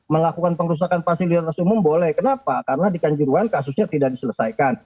melakukan pengerusakan fasilitas umum boleh kenapa karena di kanjuruan kasusnya tidak diselesaikan